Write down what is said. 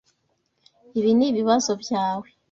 Ibi nibibazo byawe.